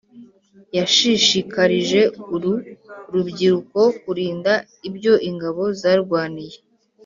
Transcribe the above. yashishikarije uru rubyiruko kurinda ibyo ingabo zarwaniye